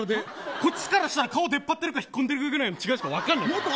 こっちからしたら顔が出っ張ってるか引っ込んでるかぐらいの違いしかわからない。